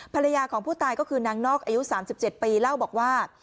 ภรรยาของผู้ตายก็คือนางนอกอายุ๓๗ปีเล่าบอกว่า